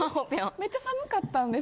めっちゃ寒かったんです。